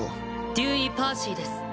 デューイ・パーシーです。